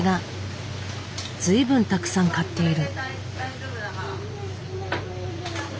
随分たくさん買っている。